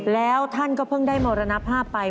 แล้วท่านก็เพิ่งได้มรณภาพไป